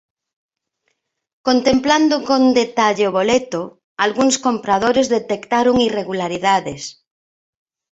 Contemplando con detalle o boleto, algúns compradores detectaron irregularidades.